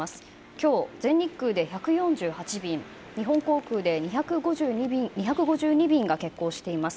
今日、全日空で１４８便日本航空で２５２便が欠航しています。